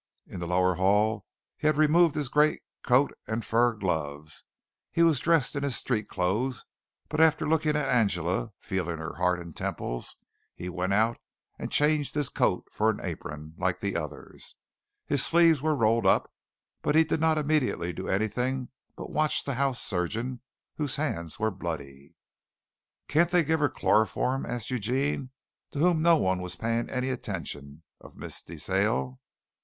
In the lower hall he had removed his great coat and fur gloves. He was dressed in his street clothes, but after looking at Angela, feeling her heart and temples, he went out and changed his coat for an apron, like the others. His sleeves were rolled up, but he did not immediately do anything but watch the house surgeon, whose hands were bloody. "Can't they give her chloroform?" asked Eugene, to whom no one was paying any attention, of Miss De Sale.